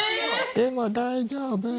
でも、大丈夫！